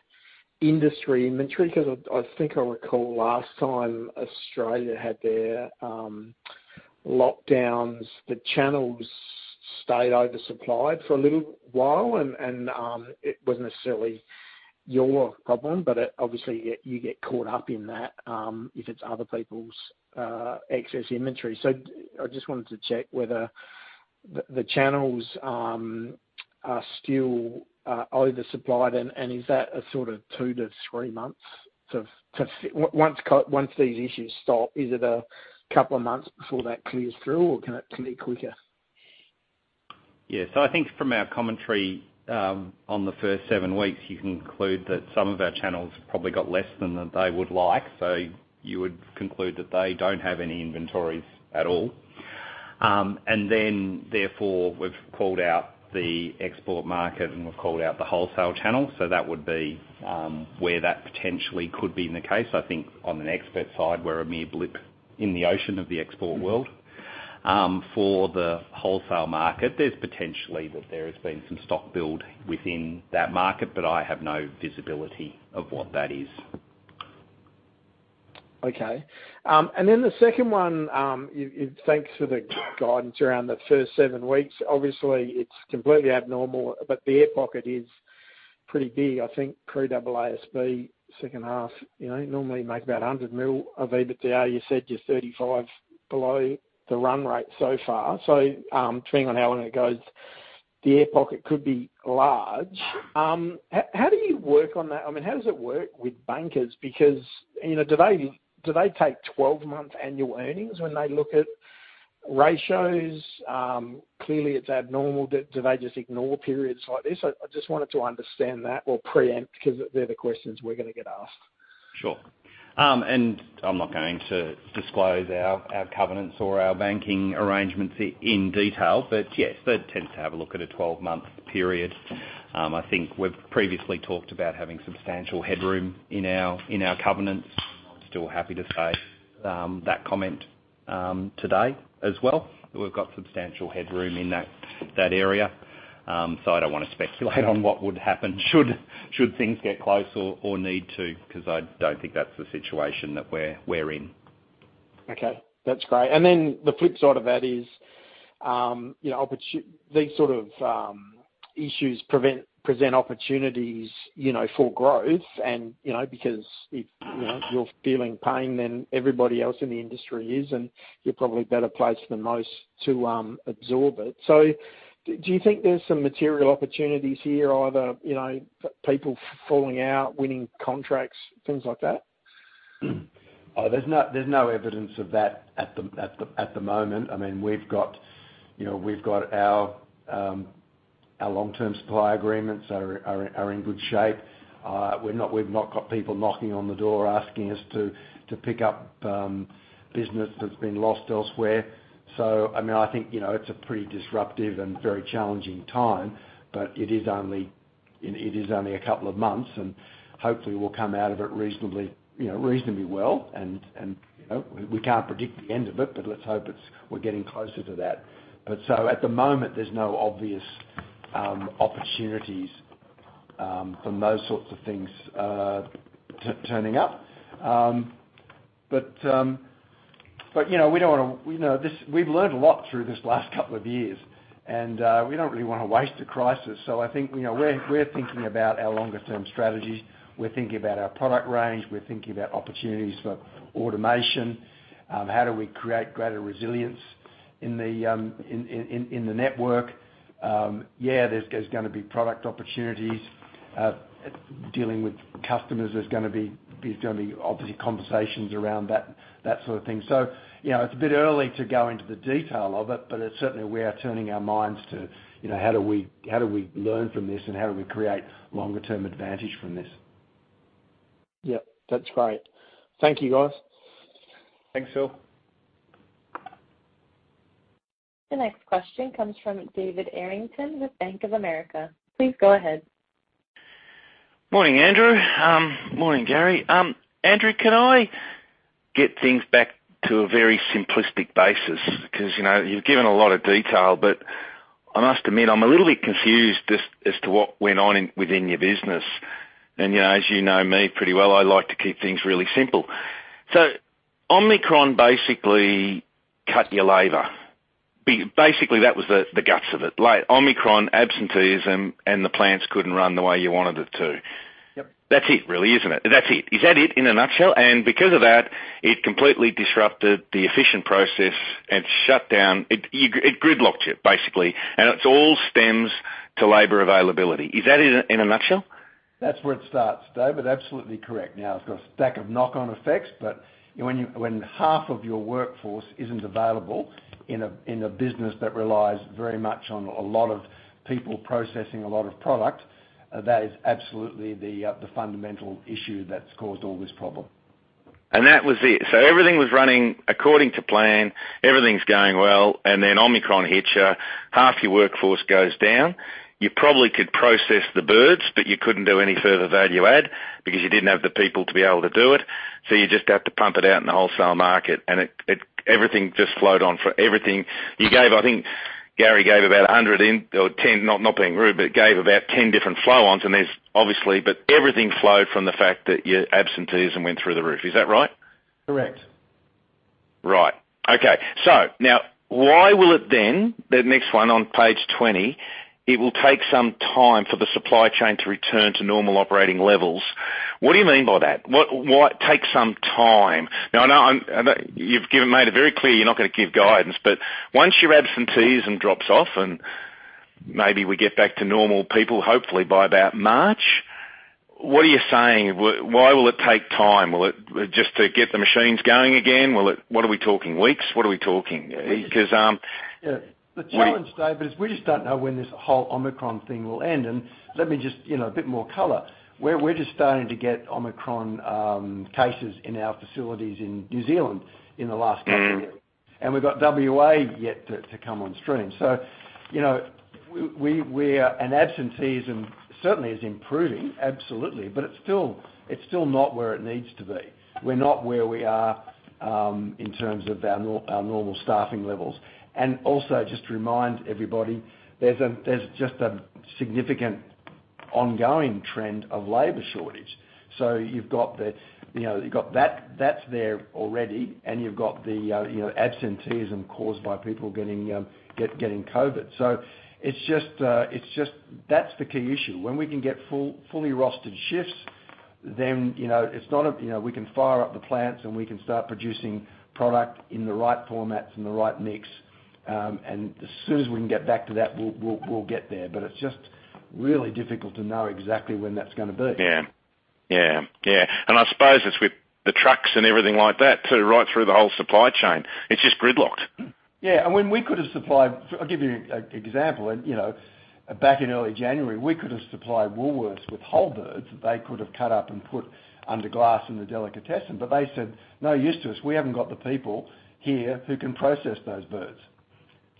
industry inventory, 'cause I think I recall last time Australia had their lockdowns, the channels stayed oversupplied for a little while and it wasn't necessarily your problem, but obviously you get caught up in that if it's other people's excess inventory. So I just wanted to check whether the channels are still oversupplied. Is that a sort of two to three months once these issues stop, is it a couple of months before that clears through, or can it clear quicker? I think from our commentary on the first seven weeks, you can conclude that some of our channels probably got less than they would like. You would conclude that they don't have any inventories at all. Then therefore, we've called out the export market and we've called out the wholesale channel. That would be where that potentially could be in the case. I think on an export side, we're a mere blip in the ocean of the export world. For the wholesale market, there's potentially that there has been some stock build within that market, but I have no visibility of what that is. Okay. Then the second one, thanks for the guidance around the first seven weeks. Obviously, it's completely abnormal, but the air pocket is pretty big. I think pre-AASB second half, you know, normally make about 100 million of EBITDA. You said you're 35 below the run rate so far. Depending on how long it goes, the air pocket could be large. How do you work on that? I mean, how does it work with bankers? Because, you know, do they, do they take 12 month annual earnings when they look at ratios? Clearly it's abnormal. Do they just ignore periods like this? I just wanted to understand that or preempt because they're the questions we're gonna get asked. Sure. I'm not going to disclose our covenants or our banking arrangements in detail. Yes, they tend to have a look at a 12 month period. I think we've previously talked about having substantial headroom in our covenants. I'm still happy to say that comment today as well. We've got substantial headroom in that area. I don't wanna speculate on what would happen should things get close or need to, 'cause I don't think that's the situation that we're in. Okay, that's great. The flip side of that is, you know, these sort of issues present opportunities, you know, for growth and, you know, because if, you know, you're feeling pain, then everybody else in the industry is, and you're probably better placed than most to absorb it. Do you think there's some material opportunities here, either, you know, people falling out, winning contracts, things like that? There's no evidence of that at the moment. I mean, we've got our long term supply agreements are in good shape. We're not, we've not got people knocking on the door asking us to pick up business that's been lost elsewhere. I mean, I think you know it's a pretty disruptive and very challenging time, but it is only a couple of months, and hopefully we'll come out of it reasonably well. You know, we can't predict the end of it, but let's hope we're getting closer to that. At the moment, there's no obvious opportunities from those sorts of things turning up. You know, we don't wanna You know, we've learned a lot through this last couple of years, and we don't really wanna waste a crisis. I think, you know, we're thinking about our longer term strategies. We're thinking about our product range. We're thinking about opportunities for automation. How do we create greater resilience in the network? Yeah, there's gonna be product opportunities. Dealing with customers, there's gonna be obviously conversations around that sort of thing. You know, it's a bit early to go into the detail of it, but certainly we are turning our minds to, you know, how do we learn from this, and how do we create longer term advantage from this? Yeah, that's great. Thank you, guys. Thanks, Phil. The next question comes from David Errington with Bank of America. Please go ahead. Morning, Andrew. Morning, Gary. Andrew, can I get things back to a very simplistic basis? 'Cause, you know, you've given a lot of detail, but I must admit, I'm a little bit confused as to what went on within your business. You know, as you know me pretty well, I like to keep things really simple. Omicron basically cut your labor. Basically, that was the guts of it. Like Omicron absenteeism, and the plants couldn't run the way you wanted it to. Yep. That's it, really, isn't it? That's it. Is that it in a nutshell? Because of that, it completely disrupted the efficient process. It shut down. It gridlocked you, basically. It all stems from labor availability. Is that it in a nutshell? That's where it starts, David. Absolutely correct. Now, it's got a stack of knock on effects, but when half of your workforce isn't available in a business that relies very much on a lot of people processing a lot of product, that is absolutely the fundamental issue that's caused all this problem. That was it. Everything was running according to plan, everything's going well, and then Omicron hits you. Half your workforce goes down. You probably could process the birds, but you couldn't do any further value add because you didn't have the people to be able to do it, so you just have to pump it out in the wholesale market, and it. Everything just flowed on for everything. You gave, I think Gary gave about a hundred and ten, not being rude, but gave about ten different flow-ons. Everything flowed from the fact that your absenteeism went through the roof. Is that right? Correct. Right. Okay. Now why will it then, the next one on page 20, it will take some time for the supply chain to return to normal operating levels. What do you mean by that? What? Why take some time? I know you've made it very clear you're not gonna give guidance, but once your absenteeism drops off and maybe we get back to normal people, hopefully by about March, what are you saying? Why will it take time? Will it just to get the machines going again? What are we talking, weeks? What are we talking? Because we- Yeah. The challenge, David, is we just don't know when this whole Omicron thing will end. Let me just, you know, a bit more color. We're just starting to get Omicron cases in our facilities in New Zealand in the last couple of years. We've got WA yet to come on stream. You know, we are. Absenteeism certainly is improving. Absolutely. But it's still not where it needs to be. We're not where we are in terms of our normal staffing levels. Also just to remind everybody, there's just a significant ongoing trend of labor shortage. You've got the, you know, you've got that. That's there already, and you've got the, you know, absenteeism caused by people getting COVID. It's just that's the key issue. When we can get fully rostered shifts, then, you know, it's not, you know, we can fire up the plants and we can start producing product in the right formats and the right mix. As soon as we can get back to that, we'll get there. It's just really difficult to know exactly when that's gonna be. Yeah. I suppose it's with the trucks and everything like that too, right through the whole supply chain, it's just gridlocked. When we could have supplied. I'll give you an example. You know, back in early January, we could have supplied Woolworths with whole birds that they could have cut up and put under glass in the delicatessen, but they said, "No use to us, we haven't got the people here who can process those birds.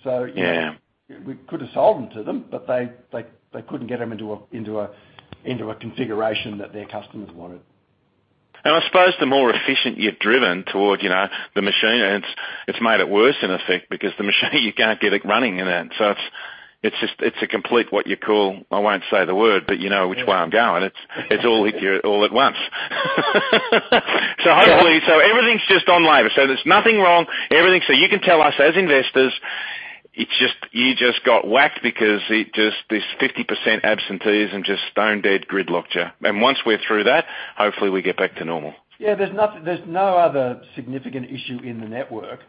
Yeah. We could have sold them to them, but they couldn't get them into a configuration that their customers wanted. I suppose the more efficient you've driven toward, you know, the machine, and it's made it worse in effect because the machine you can't get it running again. It's just a complete, what you call, I won't say the word, but you know which way I'm going. It's all hit you all at once. Hopefully. Yeah. Everything's just on labor, so there's nothing wrong. Everything. You can tell us as investors, it just, you just got whacked because it just, this 50% absenteeism just stone-dead gridlocked you. Once we're through that, hopefully we get back to normal. Yeah, there's no other significant issue in the network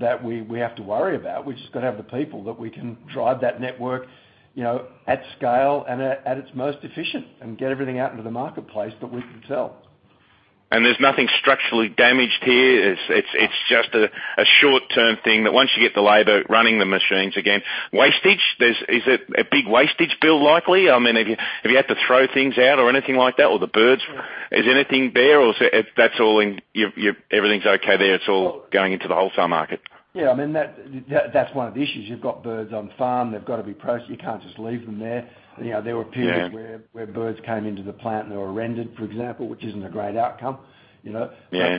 that we have to worry about. We've just gotta have the people that we can drive that network, you know, at scale and at its most efficient and get everything out into the marketplace that we can sell. There's nothing structurally damaged here. It's just a short-term thing that once you get the labor running the machines again. Wastage. Is it a big wastage bill likely? I mean, have you had to throw things out or anything like that, or the birds? Is anything there or so. If that's all in your. Everything's okay there, it's all going into the wholesale market. Yeah, I mean, that's one of the issues. You've got birds on the farm. They've gotta be processed. You can't just leave them there. You know, there were periods. Yeah. where birds came into the plant and they were rendered, for example, which isn't a great outcome, you know? Yeah.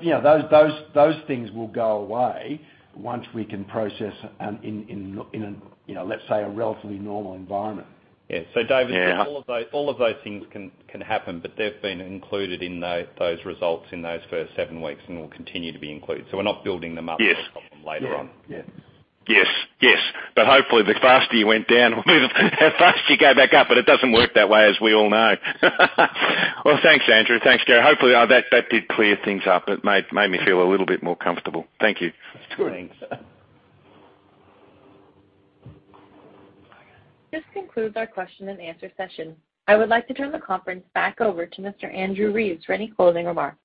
you know, those things will go away once we can process in a you know, let's say a relatively normal environment. Yeah. David. Yeah. All of those things can happen, but they've been included in those results in those first seven weeks and will continue to be included. We're not building them up. Yes. later on. Yeah. Yeah. Yes. Hopefully the faster you went down will be the how fast you go back up, but it doesn't work that way, as we all know. Well, thanks, Andrew. Thanks, Gary. Hopefully that did clear things up. It made me feel a little bit more comfortable. Thank you. That's great. This concludes our question and answer session. I would like to turn the conference back over to Mr. Andrew Reeves for any closing remarks.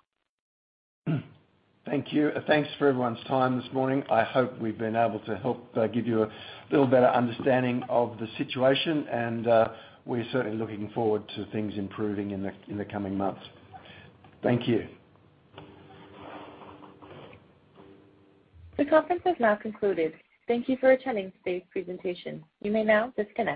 Thank you. Thanks for everyone's time this morning. I hope we've been able to help, give you a little better understanding of the situation and, we're certainly looking forward to things improving in the coming months. Thank you. The conference has now concluded. Thank you for attending today's presentation. You may now disconnect.